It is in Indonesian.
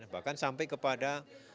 bahkan sampai kepada